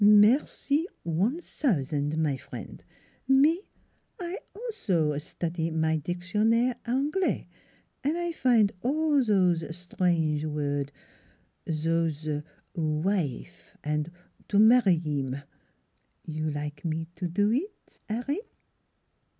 " Merci one sousan', my frien'; me I also es tudy my dictionnaire dnglais an' I fin' all zose es trange word zose wi ife an' tomarrieem. You like me to do eet 'Arry?